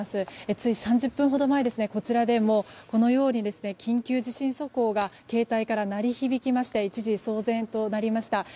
つい３０分ほど前にこちらでも緊急地震速報が携帯から鳴り響きまして一時騒然となりました。